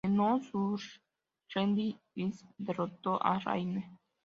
En No Surrender, Sky derrotó a Rayne.